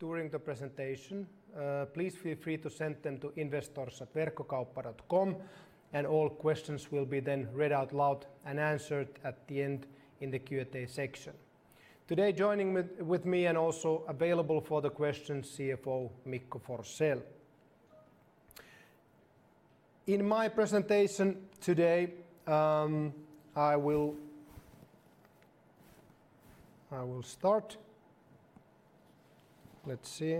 During the presentation, please feel free to send them to investors@verkkokauppa.com. All questions will be then read out loud and answered at the end in the Q&A section. Today, joining with me and also available for the questions, CFO Mikko Forsell. In my presentation today, I will start. Let's see.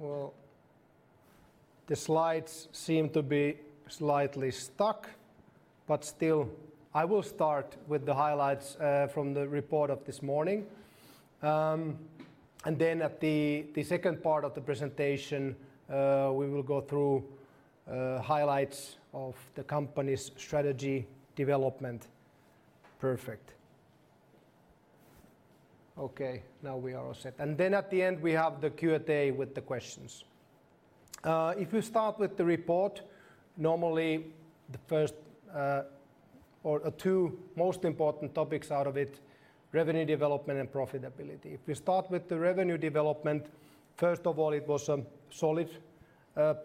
Well, the slides seem to be slightly stuck. Still, I will start with the highlights from the report of this morning. Then at the second part of the presentation, we will go through highlights of the company's strategy development. Perfect. Okay, now we are all set. Then at the end, we have the Q&A with the questions. If we start with the report, normally the first or two most important topics out of it, revenue development and profitability. If we start with the revenue development, first of all, it was a solid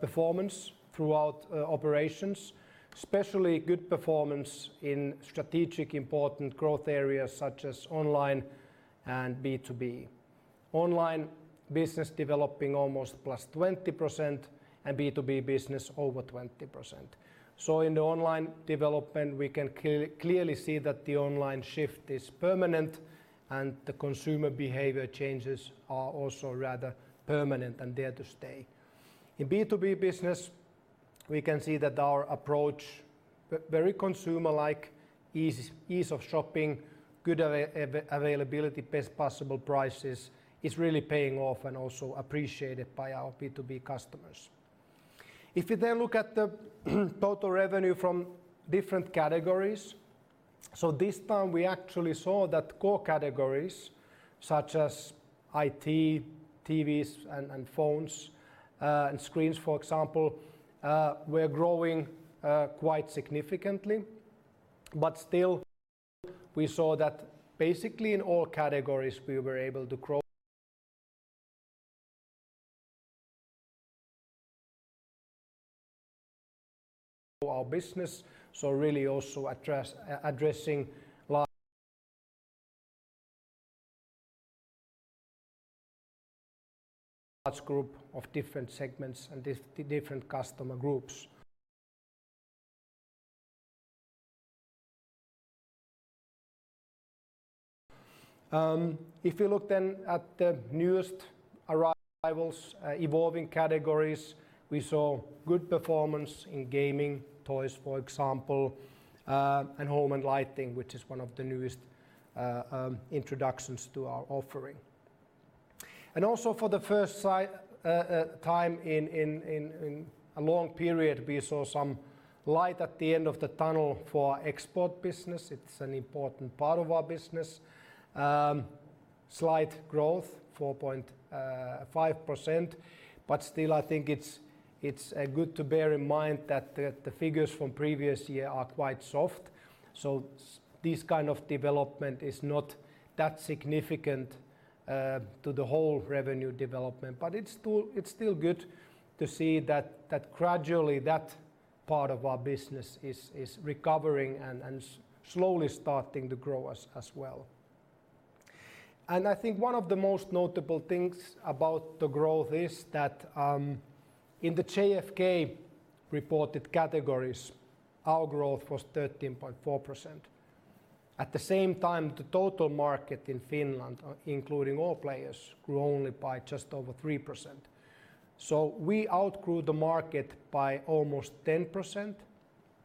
performance throughout operations, especially good performance in strategic important growth areas such as online and B2B. Online business developing almost +20%, and B2B business over 20%. In the online development, we can clearly see that the online shift is permanent and the consumer behavior changes are also rather permanent and there to stay. In B2B business, we can see that our approach, very consumer-like, ease of shopping, good availability, best possible prices, is really paying off and also appreciated by our B2B customers. If you then look at the total revenue from different categories, this time we actually saw that core categories such as IT, TVs and phones, and screens, for example, were growing quite significantly. Still, we saw that basically in all categories, we were able to grow our business. Really also addressing large group of different segments and different customer groups. If you look then at the newest arrivals, evolving categories, we saw good performance in gaming, toys, for example, and home and lighting, which is one of the newest introductions to our offering. Also for the first time in a long period, we saw some light at the end of the tunnel for export business. It's an important part of our business. Slight growth, 4.5%, but still I think it's good to bear in mind that the figures from previous year are quite soft. This kind of development is not that significant to the whole revenue development. It's still good to see that gradually that part of our business is recovering and slowly starting to grow as well. I think one of the most notable things about the growth is that in the GfK reported categories, our growth was 13.4%. At the same time, the total market in Finland, including all players, grew only by just over 3%. We outgrew the market by almost 10%,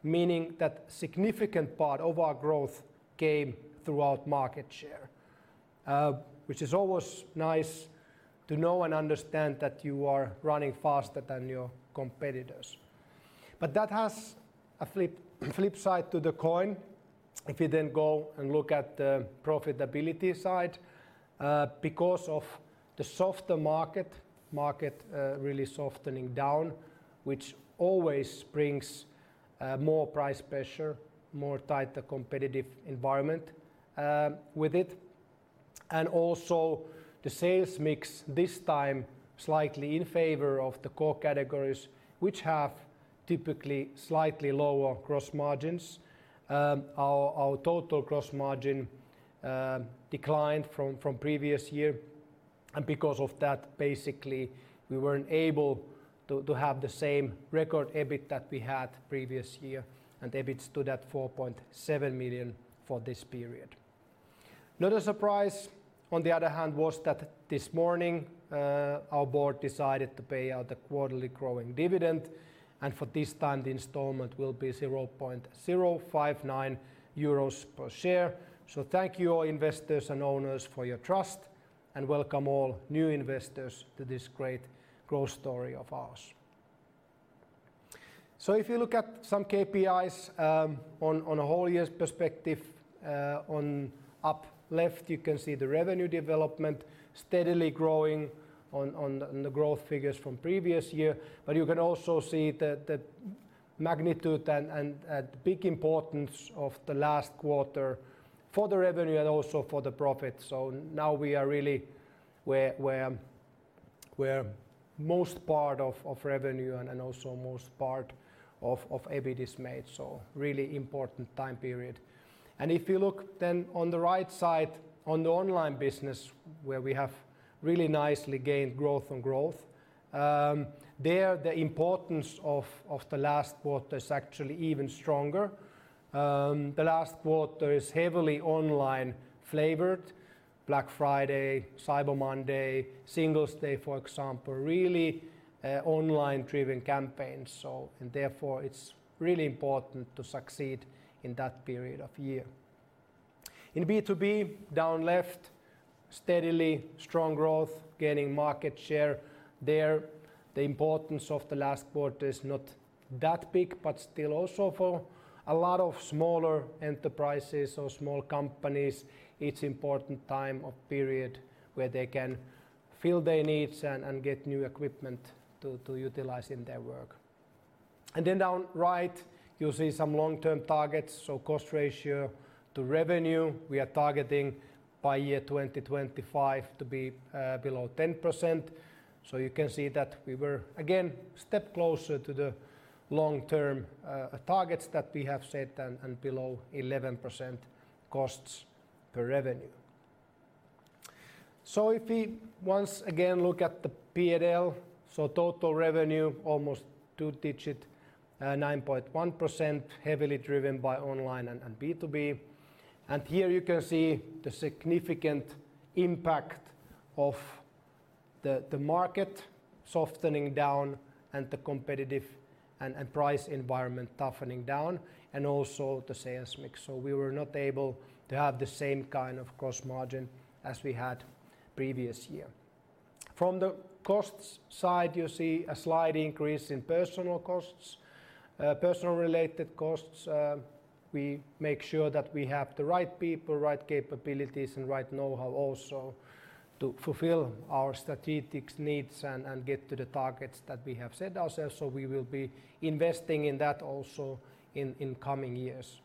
meaning that significant part of our growth came throughout market share, which is always nice to know and understand that you are running faster than your competitors. That has a flip side to the coin. If you then go and look at the profitability side, because of the softer market really softening down, which always brings more price pressure, more tighter competitive environment with it. Also the sales mix this time slightly in favor of the core categories, which have typically slightly lower gross margins. Our total gross margin declined from previous year, because of that, basically, we weren't able to have the same record EBIT that we had previous year, EBIT stood at 4.7 million for this period. Not a surprise, on the other hand, was that this morning, our board decided to pay out a quarterly growing dividend, for this time, the installment will be 0.059 euros per share. Thank you all investors and owners for your trust, welcome all new investors to this great growth story of ours. If you look at some KPIs on a whole year's perspective, on up left you can see the revenue development steadily growing on the growth figures from previous year. You can also see that Magnitude and big importance of the last quarter for the revenue and also for the profit. Now we are really where most part of revenue and also most part of EBIT is made. Really important time period. If you look then on the right side on the online business, where we have really nicely gained growth on growth, there the importance of the last quarter is actually even stronger. The last quarter is heavily online flavored, Black Friday, Cyber Monday, Singles' Day, for example, really online-driven campaigns, and therefore it's really important to succeed in that period of year. In B2B, down left, steadily strong growth, gaining market share. There, the importance of the last quarter is not that big, but still also for a lot of smaller enterprises or small companies, it's important time or period where they can fill their needs and get new equipment to utilize in their work. Down right, you'll see some long-term targets. Cost ratio to revenue, we are targeting by year 2025 to be below 10%. You can see that we were, again, a step closer to the long-term targets that we have set and below 11% costs per revenue. If we once again look at the P&L, total revenue, almost two-digit, 9.1%, heavily driven by online and B2B. Here you can see the significant impact of the market softening down and the competitive and price environment toughening down and also the sales mix. We were not able to have the same kind of cost margin as we had previous year. From the costs side, you see a slight increase in personal related costs. We make sure that we have the right people, right capabilities, and right know-how also to fulfill our strategic needs and get to the targets that we have set ourselves. We will be investing in that also in coming years.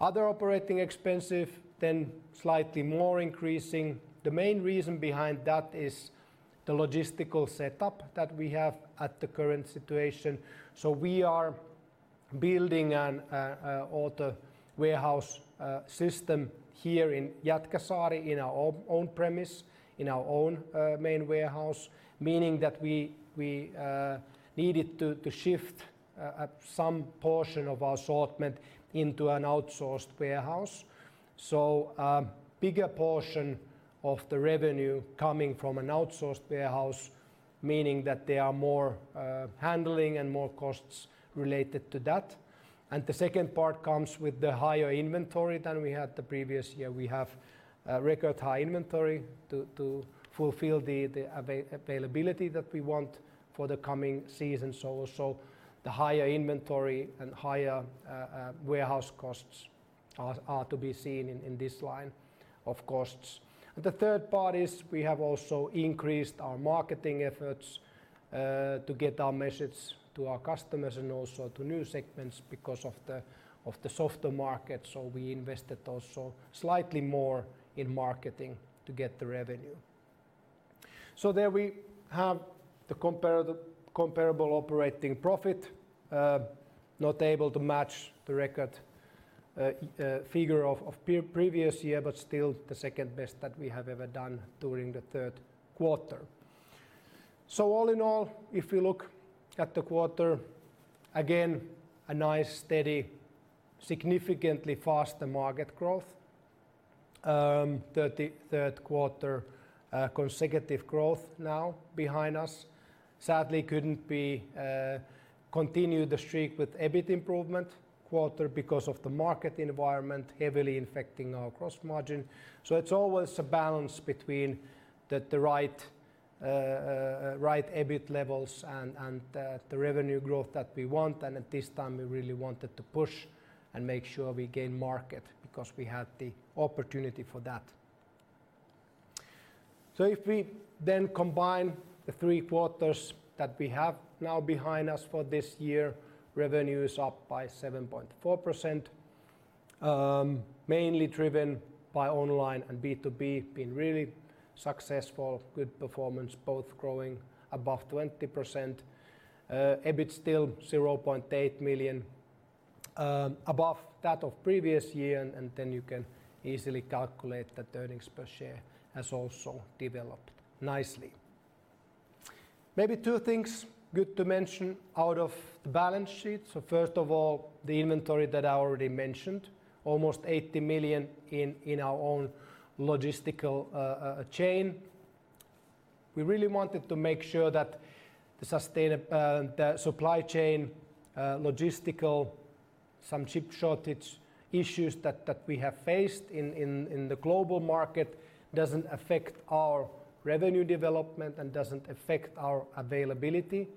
Other operating expensive, then slightly more increasing. The main reason behind that is the logistical setup that we have at the current situation. We are building an AutoStore warehouse system here in Jätkäsaari in our own premise, in our own main warehouse, meaning that we needed to shift some portion of our assortment into an outsourced warehouse. A bigger portion of the revenue coming from an outsourced warehouse, meaning that there are more handling and more costs related to that. The second part comes with the higher inventory than we had the previous year. We have record high inventory to fulfill the availability that we want for the coming season. Also the higher inventory and higher warehouse costs are to be seen in this line of costs. The third part is we have also increased our marketing efforts to get our message to our customers and also to new segments because of the softer market. We invested also slightly more in marketing to get the revenue. There we have the comparable operating profit, not able to match the record figure of previous year, but still the second-best that we have ever done during the third quarter. All in all, if you look at the quarter, again, a nice, steady, significantly faster market growth. Third quarter consecutive growth now behind us. Sadly couldn't continue the streak with EBIT improvement quarter because of the market environment heavily affecting our gross margin. It's always a balance between the right EBIT levels and the revenue growth that we want, at this time, we really wanted to push and make sure we gain market because we had the opportunity for that. If we combine the three quarters that we have now behind us for this year, revenue is up by 7.4%, mainly driven by online and B2B being really successful, good performance, both growing above 20%. EBIT still 0.8 million above that of previous year, you can easily calculate that earnings per share has also developed nicely. Maybe two things good to mention out of the balance sheet. First of all, the inventory that I already mentioned, almost 80 million in our own logistical chain. We really wanted to make sure that the supply chain, logistical, some chip shortage issues that we have faced in the global market doesn't affect our revenue development and doesn't affect our availability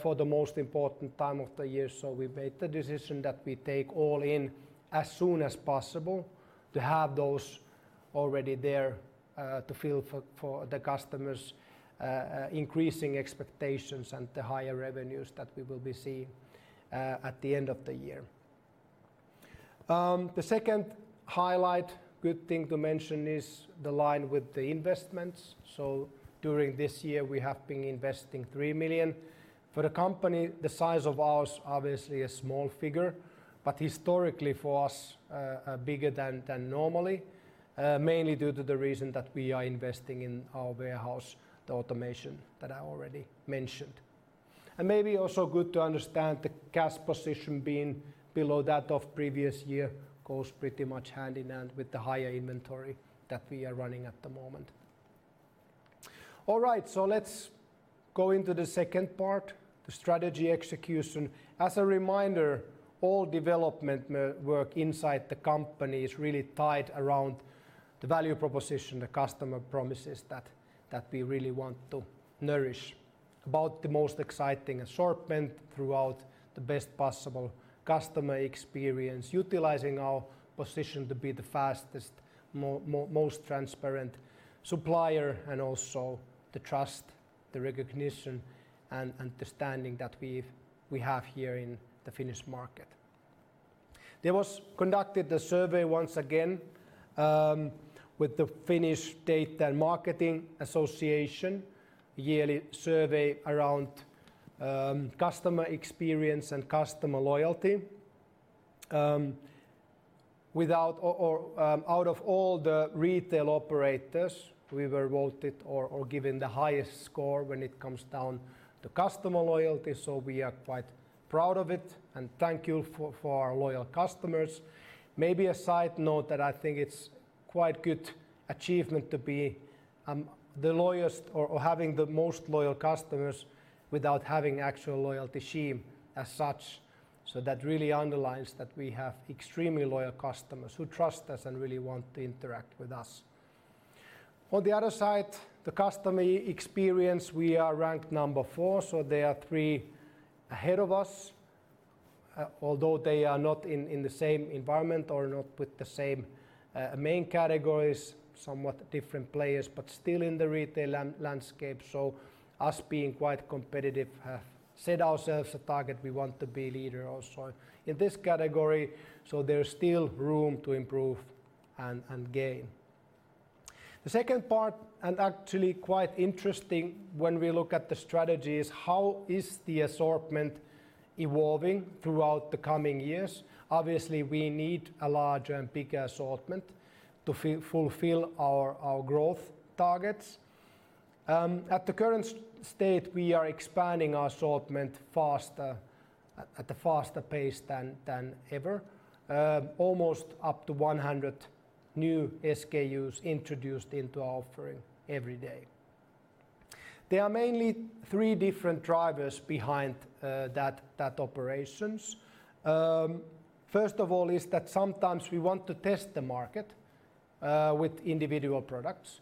for the most important time of the year. We made the decision that we take all in as soon as possible to have those already there to fill for the customers increasing expectations and the higher revenues that we will be seeing at the end of the year. The second highlight, good thing to mention, is the line with the investments. During this year we have been investing 3 million. For a company the size of ours, obviously a small figure, but historically for us, bigger than normally, mainly due to the reason that we are investing in our warehouse, the automation that I already mentioned. Maybe also good to understand the cash position being below that of previous year goes pretty much hand-in-hand with the higher inventory that we are running at the moment. All right. Let's go into the second part, the strategy execution. As a reminder, all development work inside the company is really tied around the value proposition, the customer promises that we really want to nourish. About the most exciting assortment throughout the best possible customer experience, utilizing our position to be the fastest, most transparent supplier, and also the trust, the recognition, and understanding that we have here in the Finnish market. There was conducted a survey once again with the Data & Marketing Association Finland, a yearly survey around customer experience and customer loyalty. Out of all the retail operators, we were voted or given the highest score when it comes down to customer loyalty, so we are quite proud of it, and thank you for our loyal customers. Maybe a side note that I think it's quite good achievement to be having the most loyal customers without having actual loyalty scheme as such. That really underlines that we have extremely loyal customers who trust us and really want to interact with us. On the other side, the customer experience, we are ranked number four, so there are three ahead of us, although they are not in the same environment or not with the same main categories, somewhat different players, but still in the retail landscape. Us being quite competitive have set ourselves a target. We want to be leader also in this category, so there's still room to improve and gain. The second part, and actually quite interesting when we look at the strategy, is how is the assortment evolving throughout the coming years? Obviously, we need a larger and bigger assortment to fulfill our growth targets. At the current state, we are expanding our assortment at a faster pace than ever. Almost up to 100 new SKUs introduced into our offering every day. There are mainly three different drivers behind that operations. First of all, is that sometimes we want to test the market with individual products.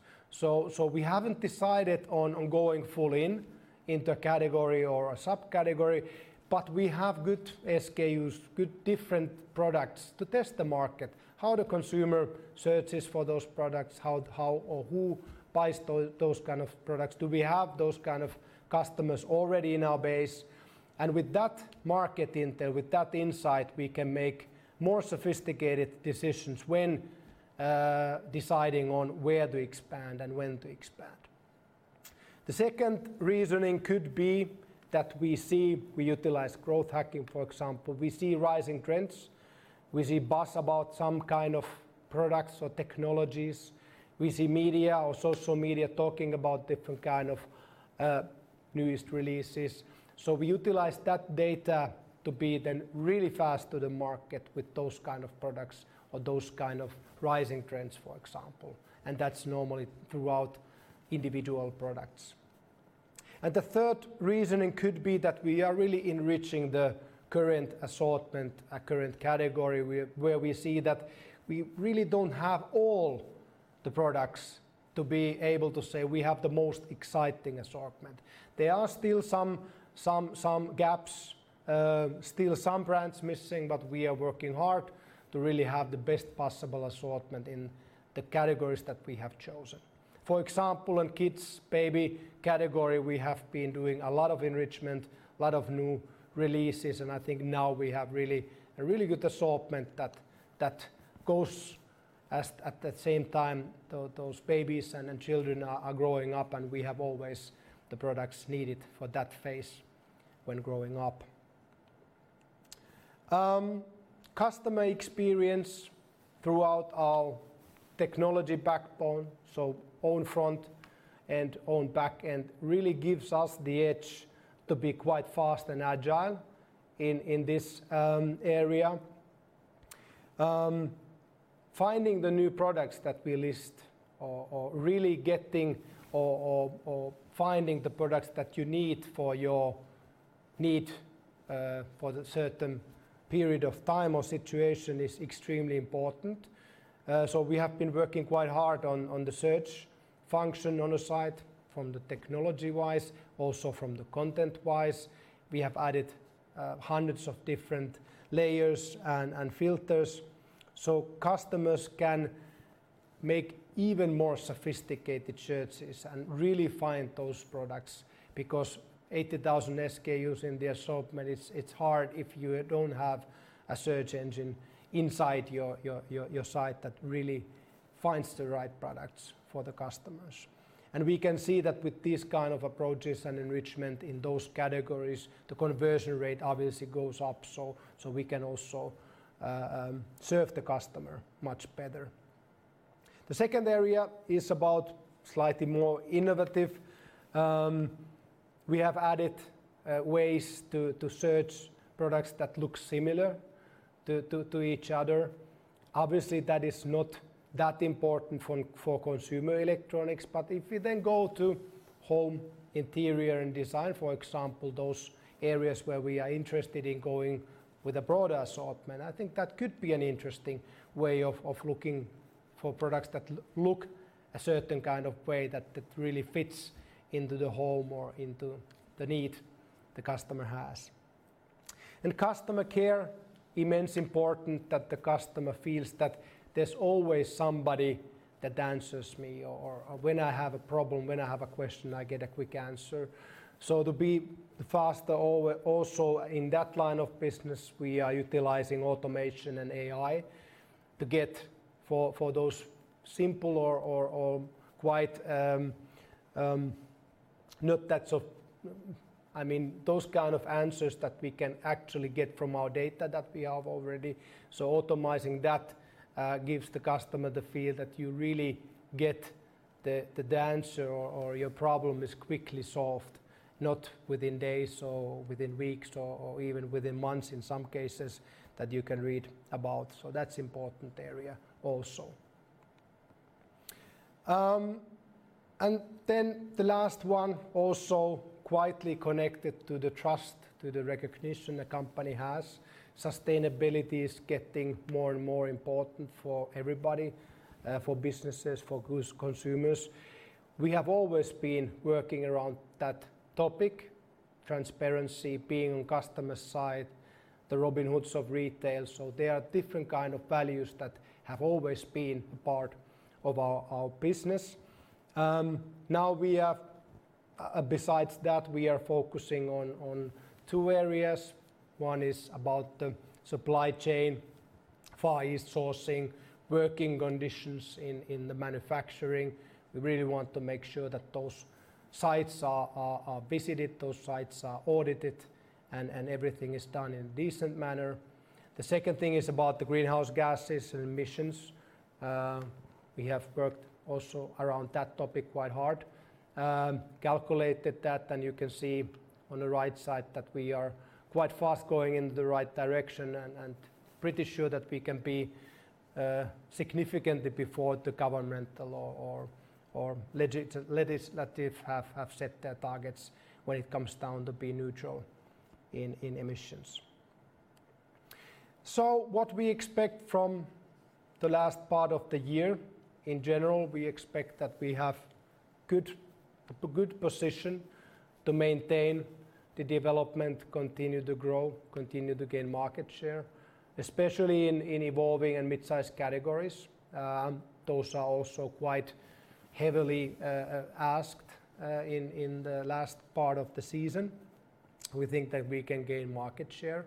We haven't decided on going full in into a category or a subcategory, but we have good SKUs, good different products to test the market, how the consumer searches for those products, how or who buys those kind of products. Do we have those kind of customers already in our base? With that market intel, with that insight, we can make more sophisticated decisions when deciding on where to expand and when to expand. The second reasoning could be that we utilize growth hacking, for example. We see rising trends, we see buzz about some kind of products or technologies. We see media or social media talking about different kind of newest releases. We utilize that data to be then really fast to the market with those kind of products or those kind of rising trends, for example. That's normally throughout individual products. The third reasoning could be that we are really enriching the current assortment, current category, where we see that we really don't have all the products to be able to say we have the most exciting assortment. There are still some gaps, still some brands missing. We are working hard to really have the best possible assortment in the categories that we have chosen. For example, in kids/baby category, we have been doing a lot of enrichment, a lot of new releases. I think now we have a really good assortment that goes as at that same time, those babies and children are growing up and we have always the products needed for that phase when growing up. Customer experience throughout our technology backbone, so own front and own back end, really gives us the edge to be quite fast and agile in this area. Finding the new products that we list or really getting or finding the products that you need for your need for the certain period of time or situation is extremely important. We have been working quite hard on the search function on a site from the technology-wise, also from the content-wise. We have added hundreds of different layers and filters so customers can make even more sophisticated searches and really find those products, because 80,000 SKUs in the assortment, it's hard if you don't have a search engine inside your site that really finds the right products for the customers. We can see that with these kind of approaches and enrichment in those categories, the conversion rate obviously goes up, so we can also serve the customer much better. The second area is about slightly more innovative. We have added ways to search products that look similar to each other. Obviously, that is not that important for consumer electronics. If we then go to home, interior, and design, for example, those areas where we are interested in going with a broader assortment, I think that could be an interesting way of looking for products that look a certain kind of way that really fits into the home or into the need the customer has. In customer care, immense important that the customer feels that there's always somebody that answers me, or when I have a problem, when I have a question, I get a quick answer. To be faster also in that line of business, we are utilizing automation and AI to get for those simple or those kind of answers that we can actually get from our data that we have already. Automizing that gives the customer the feel that you really get the answer or your problem is quickly solved, not within days or within weeks or even within months in some cases that you can read about. That's important area also. The last one also quietly connected to the trust, to the recognition a company has. Sustainability is getting more and more important for everybody, for businesses, for consumers. We have always been working around that topic, transparency, being on customer's side, the Robin Hoods of retail. They are different kind of values that have always been a part of our business. Besides that, we are focusing on two areas. One is about the supply chain, Far East sourcing, working conditions in the manufacturing. We really want to make sure that those sites are visited, those sites are audited, and everything is done in a decent manner. The second thing is about the greenhouse gases and emissions. We have worked also around that topic quite hard, calculated that, and you can see on the right side that we are quite fast going in the right direction and pretty sure that we can be significantly before the governmental or legislative have set their targets when it comes down to be neutral in emissions. What we expect from the last part of the year, in general, we expect that we have a good position to maintain the development, continue to grow, continue to gain market share, especially in evolving and mid-size categories. Those are also quite heavily asked in the last part of the season. We think that we can gain market share.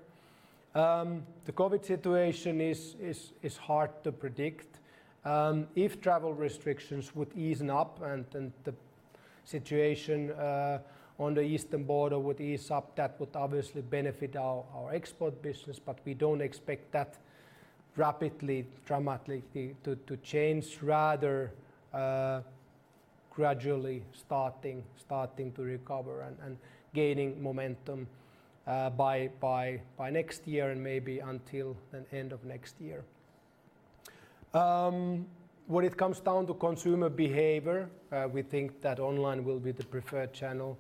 The COVID situation is hard to predict. If travel restrictions would ease up and the situation on the eastern border would ease up, that would obviously benefit our export business, but we don't expect that rapidly, dramatically to change. Rather, gradually starting to recover and gaining momentum by next year and maybe until the end of next year. When it comes down to consumer behavior, we think that online will be the preferred channel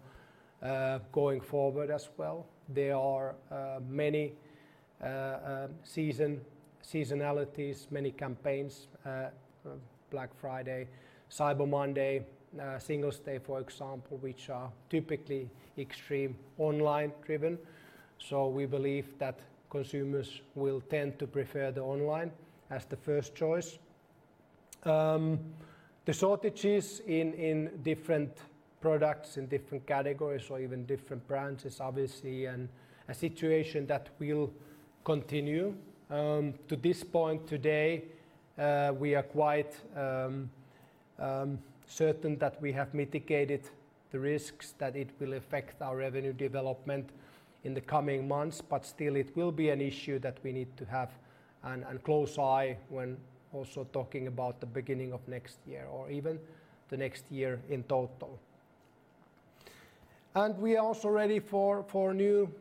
going forward as well. There are many seasonalities, many campaigns, Black Friday, Cyber Monday, Singles' Day, for example, which are typically extreme online-driven. We believe that consumers will tend to prefer the online as the first choice. The shortages in different products, in different categories or even different branches, obviously, and a situation that will continue. To this point today, we are quite certain that we have mitigated the risks that it will affect our revenue development in the coming months. Still, it will be an issue that we need to have a close eye when also talking about the beginning of next year or even the next year in total. We are also ready for new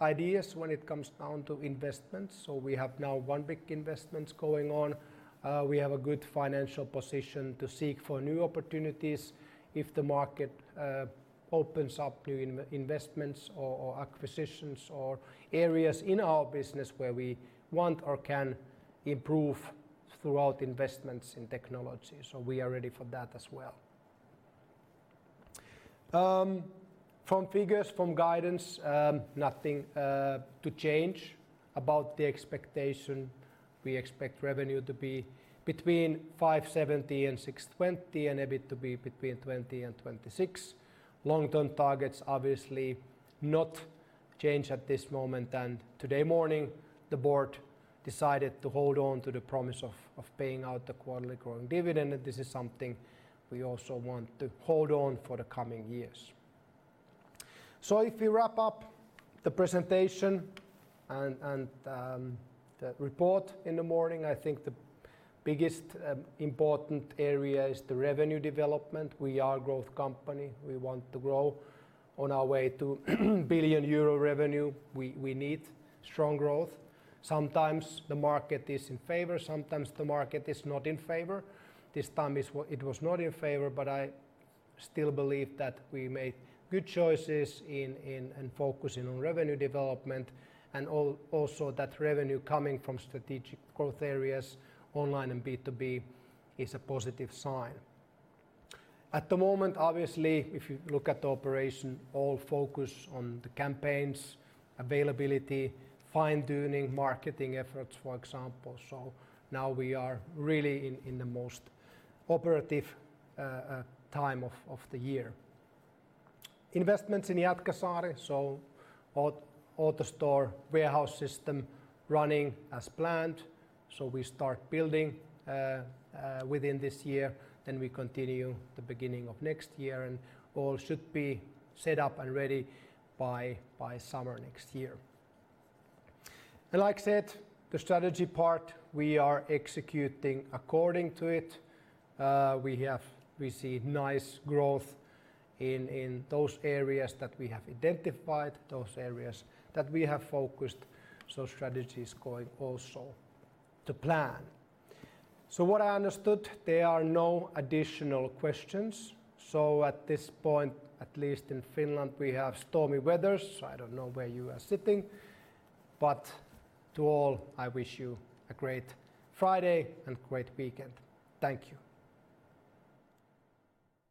ideas when it comes down to investments. We have now one big investment going on. We have a good financial position to seek for new opportunities if the market opens up new investments or acquisitions or areas in our business where we want or can improve through investments in technology. We are ready for that as well. From figures, from guidance, nothing to change about the expectation. We expect revenue to be between 570 and 620, and EBIT to be between 20 and 26. Long-term targets, obviously not changed at this moment. Today morning, the board decided to hold on to the promise of paying out the quarterly growing dividend, and this is something we also want to hold on for the coming years. If we wrap up the presentation and the report in the morning, I think the biggest important area is the revenue development. We are a growth company. We want to grow on our way to 1 billion euro revenue. We need strong growth. Sometimes the market is in favor, sometimes the market is not in favor. This time it was not in favor, but I still believe that we made good choices in focusing on revenue development and also that revenue coming from strategic growth areas online and B2B is a positive sign. At the moment, obviously, if you look at the operation, all focus on the campaigns, availability, fine-tuning marketing efforts, for example. Now we are really in the most operative time of the year. Investments in Jätkäsaari, AutoStore warehouse system running as planned. We start building within this year, we continue the beginning of next year, all should be set up and ready by summer next year. Like I said, the strategy part, we are executing according to it. We see nice growth in those areas that we have identified, those areas that we have focused. Strategy is going also to plan. What I understood, there are no additional questions. At this point, at least in Finland, we have stormy weathers. I don't know where you are sitting, to all, I wish you a great Friday and great weekend. Thank you.